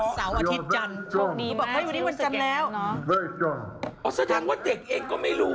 สามอาทิตย์จันทร์โชคดีมากวันนี้วันจันทร์แล้วสะทางว่าเด็กเองก็ไม่รู้